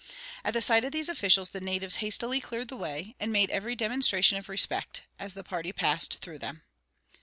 At the sight of these officials the natives hastily cleared the way, and made every demonstration of respect, as the party passed through them.